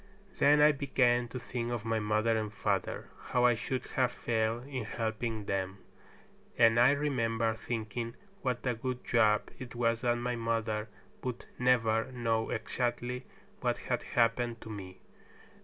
Then I began to think of my mother and father, how I should have failed in helping them; and I remember thinking what a good job it was that my mother would never know exactly what had happened to me.